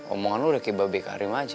omongan lo udah kayak babi karim aja